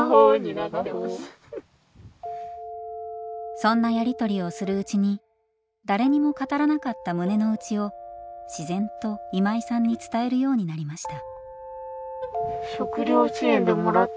そんなやりとりをするうちに誰にも語らなかった胸の内を自然と今井さんに伝えるようになりました。